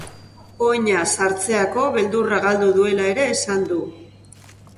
Oina sarteako beldurra galdu duela ere esan du.